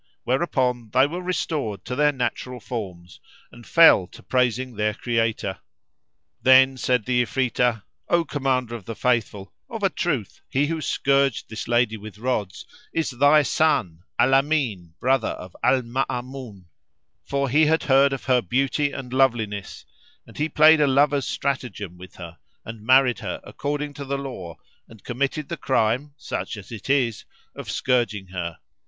whereupon they were restored to their natural forms and fell to praising their Creator. Then said the Ifritah, "O Commander of the Faithful, of a truth he who scourged this lady with rods is thy son Al Amin brother of Al Maamun ;[FN#353] for he had heard of her beauty and love liness and he played a lover's stratagem with her and married her according to the law and committed the crime (such as it is) of scourging her.